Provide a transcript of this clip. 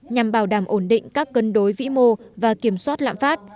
nhằm bảo đảm ổn định các cân đối vĩ mô và kiểm soát lãm phát